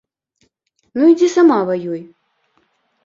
Ну, ідзі сама, ваюй.